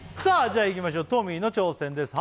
じゃあいきましょうトミーの挑戦です